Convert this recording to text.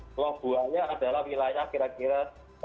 keluang buahnya adalah wilayah kira kira